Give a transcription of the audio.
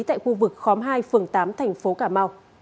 tại khu vực khóm hai phường tám tp hcm